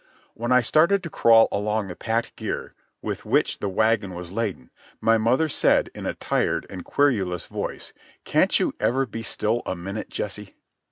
When I started to crawl along the packed gear with which the wagon was laden my mother said in a tired and querulous voice, "Can't you ever be still a minute, Jesse?"